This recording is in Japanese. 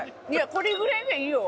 これぐらいがいいよ。